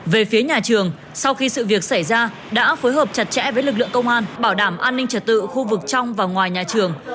về phía nhà trường sau khi sự việc xảy ra đã phối hợp chặt chẽ với lực lượng công an bảo đảm an ninh trật tự khu vực trong và ngoài nhà trường